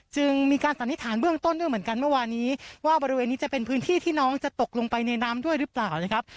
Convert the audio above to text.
จึงมีการสันนิษฐานเบื้องต้นด้วยเหมือนกันเมื่อวานี้ว่าบริเวณนี้จะเป็นพื้นที่ที่น้องจะตกลงไปในน้ำด้วยหรือเปล่านะครับ